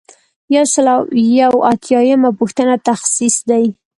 یو سل او یو اتیایمه پوښتنه تخصیص دی.